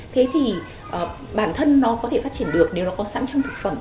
thế thì bản thân nó có thể phát triển được nếu nó có sẵn trong thực phẩm